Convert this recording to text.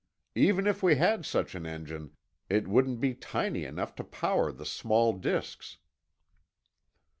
Even if we had such an engine, it wouldn't be tiny enough to power the small disks."